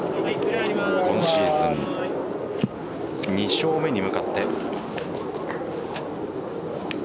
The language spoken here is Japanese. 今シーズン２勝目に向かって。